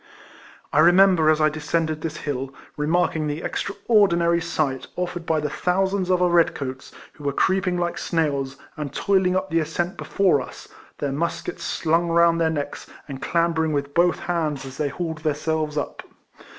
I remember, as I descended this hill, re marking the extraordinary sight afforded by the thousands of our red coats, who were creeping like snails, and toiling up the as cent before us, their muskets slung round their necks, and clambering with both hands as they hauled there selves up.